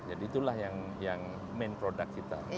jadi itulah yang main product kita